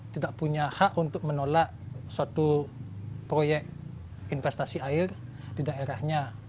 tidak punya hak untuk menolak suatu proyek investasi air di daerahnya